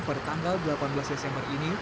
pada tanggal delapan belas desember ini